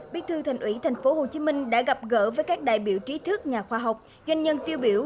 biết thư thành ủy thành phố hồ chí minh đã gặp gỡ với các đại biểu trí thức nhà khoa học doanh nhân tiêu biểu